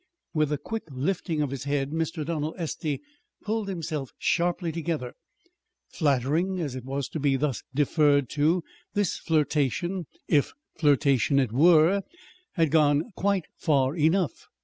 With a quick lifting of his head Mr. Donald Estey pulled himself sharply together. Flattering as it was to be thus deferred to, this flirtation if flirtation it were had gone quite far enough.